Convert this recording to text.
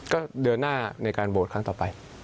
ก็เดินหน้าในการโหวตครั้งต่อไป